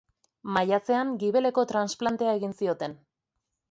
Maiatzean gibeleko transplantea egin zioten.